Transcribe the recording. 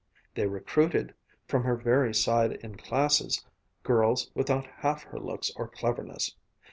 They recruited, from her very side in classes, girls without half her looks or cleverness.